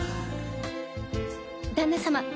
旦那様